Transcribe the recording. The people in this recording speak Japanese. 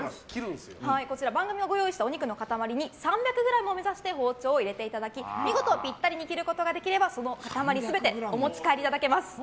こちら、番組のご用意したお肉の塊に３００ｇを目指して包丁を入れていただき見事ぴったり切ることができればその塊全てお持ち帰りいただけます。